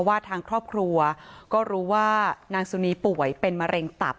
ว่าทางครอบครัวก็รู้ว่านางสุนีป่วยเป็นมะเร็งตับ